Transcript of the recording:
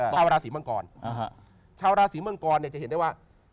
ชาวราศีมังกรชาวราศีมังกรเนี่ยจะเห็นได้ว่า